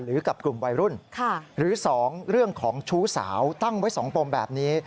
กับกลุ่มวัยรุ่นหรือ๒เรื่องของชู้สาวตั้งไว้๒ปมแบบนี้